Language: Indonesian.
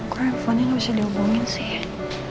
kok teleponnya gak bisa dihubungin sih